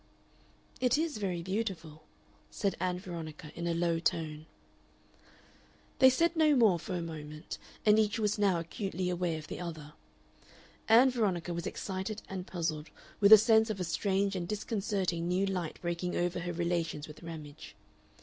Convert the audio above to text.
"It is very beautiful," said Ann Veronica in a low tone. They said no more for a moment, and each was now acutely aware of the other. Ann Veronica was excited and puzzled, with a sense of a strange and disconcerting new light breaking over her relations with Ramage.